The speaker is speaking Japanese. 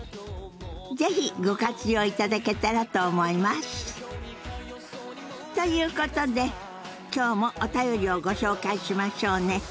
是非ご活用いただけたらと思います！ということで今日もお便りをご紹介しましょうね。